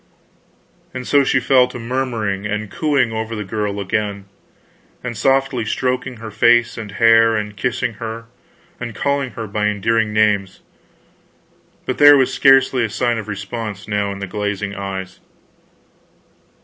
And so she fell to murmuring and cooing over the girl again, and softly stroking her face and hair, and kissing her and calling her by endearing names; but there was scarcely sign of response now in the glazing eyes.